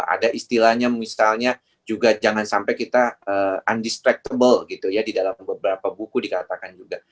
ada istilahnya misalnya juga jangan sampai kita undistractable gitu ya di dalam beberapa buku dikatakan juga